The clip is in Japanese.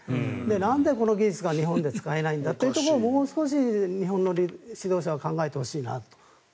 なんでこの技術が日本で使えないのかともう少し日本の指導者は考えてほしいなと。